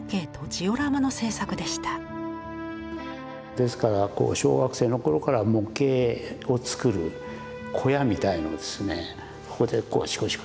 ですからこう小学生の頃から模型を作る小屋みたいのでここでシコシコ